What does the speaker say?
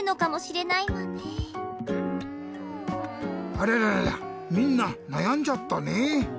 ありゃりゃりゃみんななやんじゃったねぇ。